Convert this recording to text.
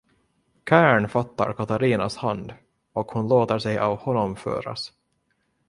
Kern fattar Catharinas hand och hon låter sig av honom föras.